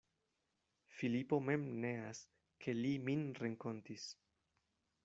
Filipo mem neas, ke li min renkontis.